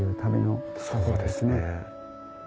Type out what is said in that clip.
そうですね。